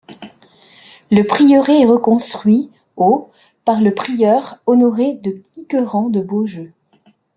Le prieuré est reconstruit au par le prieur Honoré de Quiqueran de Beaujeu.